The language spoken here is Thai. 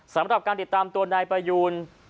สำหรับการติดตามตัวนายประยูน